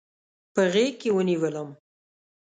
په غیږکې ونیولم